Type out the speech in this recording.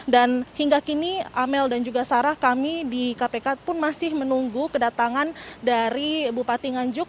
dan hingga kini amelia dan juga sarah kami di kpk pun masih menunggu kedatangan dari bupati nganjuk